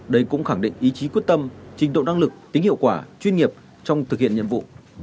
đây cũng khẳng định ý chí quyết tâm trình độ năng lực tính hiệu quả chuyên nghiệp trong thực hiện nhiệm vụ